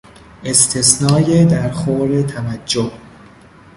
استثنای درخور توجه